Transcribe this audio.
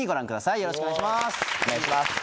よろしくお願いします。